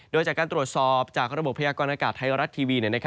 โดยจากการตรวจสอบจากระบบพยากรณากาศไทยรัฐทีวี